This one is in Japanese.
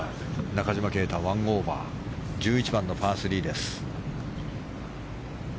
中島啓太、１オーバーで１１番のパー３です。